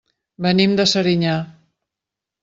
Venim de Serinyà.